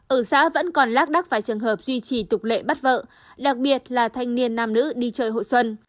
ở xã vẫn còn lác đắc vài trường hợp duy trì tục lệ bắt vợ đặc biệt là thanh niên nam nữ đi chơi hội xuân